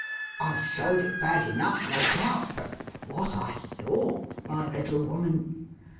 I showed it bad enough, no doubt; but what I thought, niv little woman